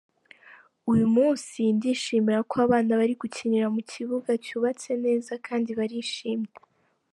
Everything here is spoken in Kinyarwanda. Uyu munsi ndishimira ko abana bari gukinira mu kibuga cyubatse neza kandi barishimye.